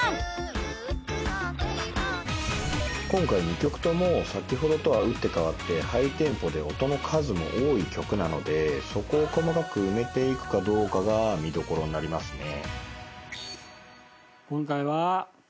今回２曲とも先ほどとは打って変わってハイテンポで音の数も多い曲なのでそこを細かく埋めていくかどうかが見どころになりますね。